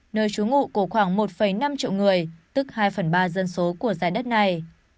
nơi trú ngụ của khoảng một năm triệu người tức hai phần ba dân số của giải đất này